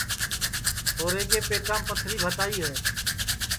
ندیما کے پیٹام پتھری بھتائی ہے